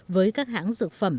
với các hãng dược phẩm